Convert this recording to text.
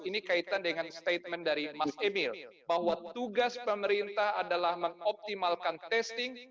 ini kaitan dengan statement dari mas emil bahwa tugas pemerintah adalah mengoptimalkan testing